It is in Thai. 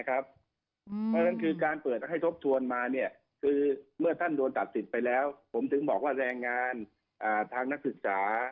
เพราะฉะนั้นคือการเปิดให้ทบทวนมาคือเมื่อท่านโดนตัดสิทธิ์ไปแล้วผมถึงบอกว่าแรงงานทางนักศึกษา